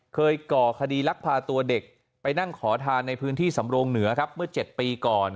ก่อคดีลักพาตัวเด็กไปนั่งขอทานในพื้นที่สำโรงเหนือครับเมื่อ๗ปีก่อน